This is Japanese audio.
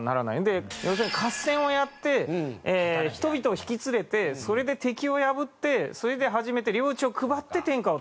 要するに合戦をやって人々を引き連れてそれで敵を破ってそれで初めて領地を配って天下を取る。